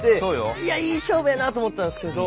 いやいい勝負やなと思ったんですけど